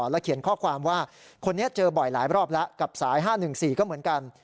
แล้วเขียนข้อความว่าคนนี้เจอบ่อยหลายรอบแล้วกับสาย๕๑๔ก็เหมือนกัน